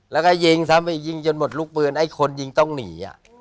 แล้วก็ยิงจนหมดลุกปืนไอ้คนยิงต้องหนี